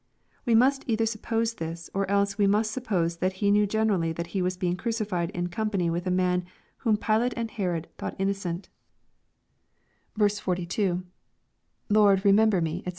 We must either suppose this, or else we must suppose that he knew generally that he was being crucified in company with a man whom Pilate and Herod thought innocent 476 EXPOSITORY THOUGHTS. 42. — [Lftrd remember me, Sc.